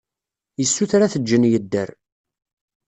Yessuter ad t-ǧǧen yedder.